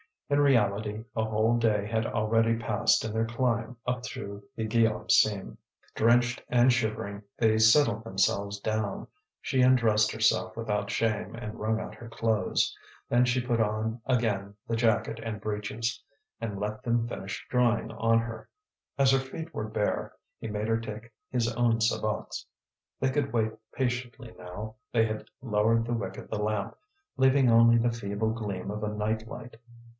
In reality, a whole day had already passed in their climb up through the Guillaume seam. Drenched and shivering, they settled themselves down. She undressed herself without shame and wrung out her clothes, then she put on again the jacket and breeches, and let them finish drying on her. As her feet were bare, he made her take his own sabots. They could wait patiently now; they had lowered the wick of the lamp, leaving only the feeble gleam of a night light.